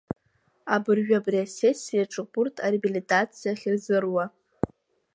Абыржәы абри асессиаҿоуп урҭ ареабилитациа ахьырзыруа.